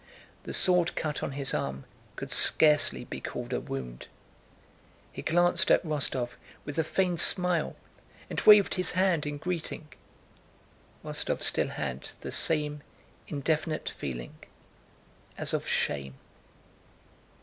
The sword cut on his arm could scarcely be called a wound. He glanced at Rostóv with a feigned smile and waved his hand in greeting. Rostóv still had the same indefinite feeling, as of shame.